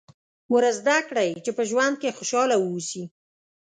ور زده کړئ چې په ژوند کې خوشاله واوسي.